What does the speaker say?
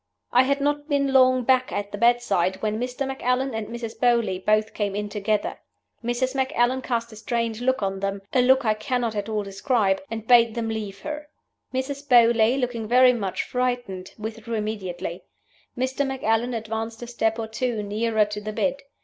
"I had not been long back at the bedside when Mr. Macallan and Mrs. Beauly both came in together. Mrs. Macallan cast a strange look on them (a look I cannot at all describe), and bade them leave her. Mrs. Beauly, looking very much frightened, withdrew immediately. Mr. Macallan advanced a step or two nearer to the bed.